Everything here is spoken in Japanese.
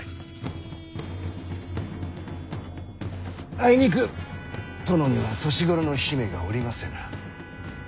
あいにく殿には年頃の姫がおりませぬ。